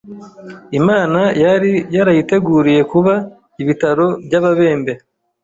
Imana yari yarayiteguriye kuba, ibitaro by’ababembe